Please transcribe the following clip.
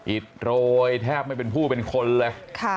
อิดโรยแทบไม่เป็นผู้เป็นคนเลย